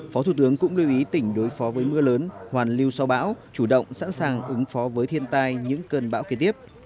phó thủ tướng cũng lưu ý tỉnh đối phó với mưa lớn hoàn lưu sau bão chủ động sẵn sàng ứng phó với thiên tai những cơn bão kế tiếp